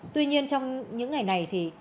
tuy nhiên trong những ngày này